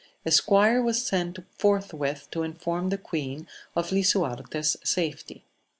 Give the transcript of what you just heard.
A squire was sent forthwit to inform the queen of Lisuarte's safety.